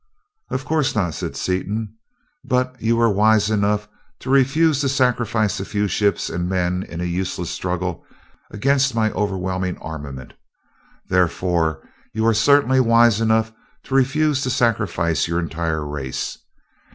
"Of course not," said Seaton, "but you were wise enough to refuse to sacrifice a few ships and men in a useless struggle against my overwhelming armament, therefore you are certainly wise enough to refuse to sacrifice your entire race.